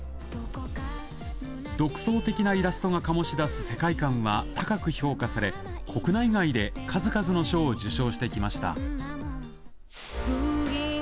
独創的なイラストが醸し出す世界観は高く評価され、国内外で数々の賞を受賞してきました。